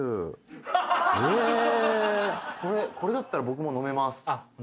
えこれだったら僕も飲めます。